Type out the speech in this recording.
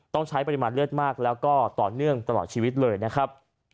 ต้องใช้ปริมาณเลือดมากแล้วก็ต่อเนื่องตลอดชีวิตเลยนะครับ